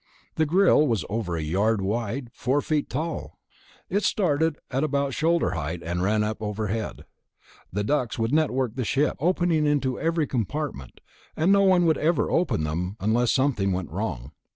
The grill was over a yard wide, four feet tall. It started about shoulder height and ran up to the overhead. The ducts would network the ship, opening into every compartment, and no one would ever open them unless something went wrong.